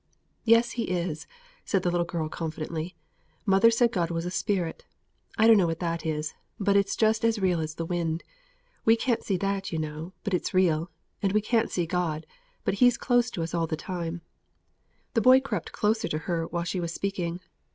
"Yes he is," said the little girl, confidently; "mother said God was a Spirit. I dunno what that is, but it's just as real as the wind. We can't see that you know, but it's real; and we can't see God, but He's close to us all the time." The boy crept closer to her while she was speaking.